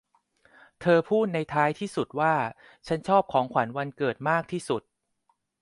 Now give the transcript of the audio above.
เธอพูดในท้ายที่สุดว่า ฉันชอบของขวัญวันเกิดมากที่สุด